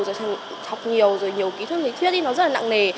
rồi học nhiều rồi nhiều kỹ thuật lý thuyết thì nó rất là nặng nề